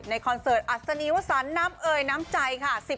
คอนเสิร์ตอัศนีวสันน้ำเอยน้ำใจค่ะ